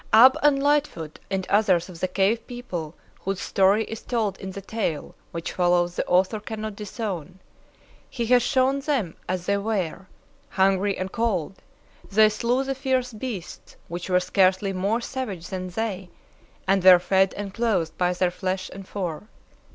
Ab and Lightfoot and others of the cave people whose story is told in the tale which follows the author cannot disown. He has shown them as they were. Hungry and cold, they slew the fierce beasts which were scarcely more savage than they, and were fed and clothed by their flesh and fur.